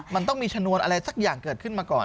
มันต้องมีชนวนอะไรสักอย่างเกิดขึ้นมาก่อน